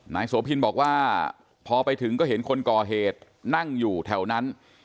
โสพินบอกว่าพอไปถึงก็เห็นคนก่อเหตุนั่งอยู่แถวนั้น